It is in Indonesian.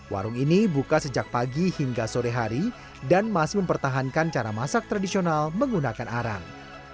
warung ini buka sejak pagi hingga sore hari dan masih mempertahankan cara masak tradisional menggunakan arang